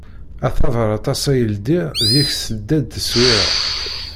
A tabrat assa i ldiɣ, deg-s tedda-d tteṣwira.